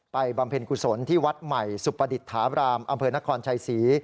บำเพ็ญกุศลที่วัดใหม่สุปดิษฐาบรามอำเภอนครชัยศรี